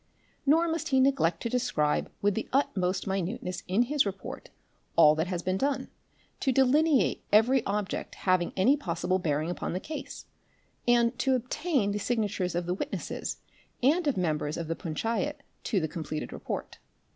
Nor must he neglect to describe with the utmost minuteness in his report all that has been done, to delineate every object having any possible bearing upon the case, and to obtain the signatures of the witnesses and of members of the punchayat to the com pleted report.